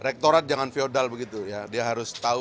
rektorat jangan feodal begitu ya dia harus tahu